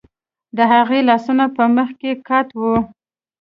د هغې لاسونه په مخ کې قات وو